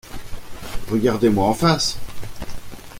Regardez-moi en face.